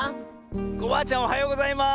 コバアちゃんおはようございます！